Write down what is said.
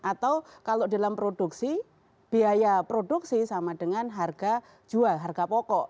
atau kalau dalam produksi biaya produksi sama dengan harga jual harga pokok